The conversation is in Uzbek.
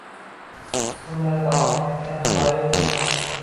Suvlarga oh aytgan shoir